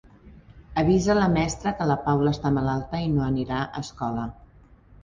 Avisa la mestra que la Paula està malalta i no anirà a escola.